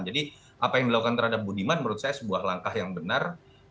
jadi apa yang dilakukan terhadap budiman menurut saya sebuah langkah yang benar